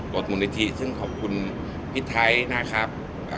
มูลนิธิซึ่งขอบคุณพี่ไทยนะครับ